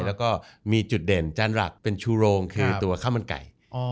แล้วก็มีจุดเด่นจานหลักเป็นชูโรงคือตัวข้าวมันไก่